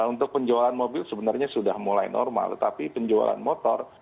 untuk penjualan mobil sebenarnya sudah mulai normal tetapi penjualan motor